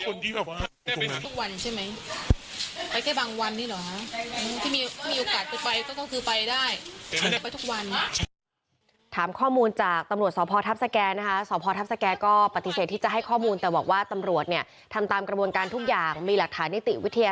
บุคลากรในโรงเรียนบอกว่าผอทุกวันใช่มั้ย